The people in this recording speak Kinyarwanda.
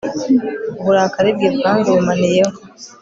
uburakari bwe bwangurumaniyeho